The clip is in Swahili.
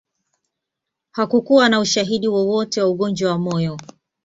Hakukuwa na ushahidi wowote wa ugonjwa wa moyo